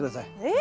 え？